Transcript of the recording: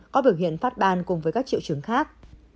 có biểu hiện phát ban cùng với các triệu chứng khác